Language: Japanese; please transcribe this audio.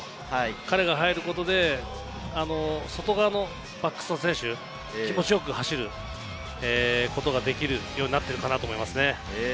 彼が入ることで、外側のバックスの選手が気持ちよく走ることができるようになってるかなと思います。